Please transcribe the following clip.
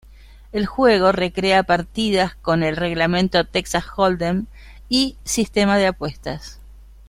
El juego recrea partidas con el reglamento Texas Hold 'Em y sistema de apuestas.